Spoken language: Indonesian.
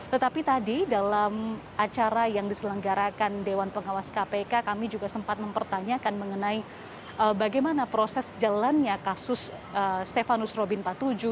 tetapi tadi dalam acara yang diselenggarakan dewan pengawas kpk kami juga sempat mempertanyakan mengenai bagaimana proses jalannya kasus stefanus robin patuju